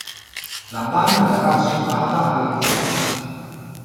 La banda verrà assicurata alla giustizia.